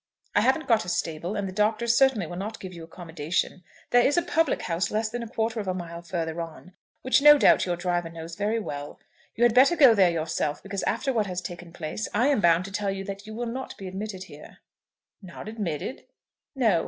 "I haven't got a stable, and the Doctor certainly will not give you accommodation. There is a public house less than a quarter of a mile further on, which no doubt your driver knows very well. You had better go there yourself, because after what has taken place, I am bound to tell you that you will not be admitted here." "Not admitted?" "No.